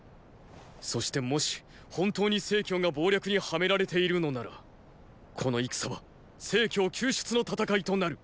そしてもし本当に成が謀略にはめられているのならこの戦は成救出の戦いとなる。